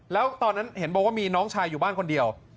แล้วตอนนั้นเห็นบอกว่ามีน้องชายอยู่บ้านคนเดียว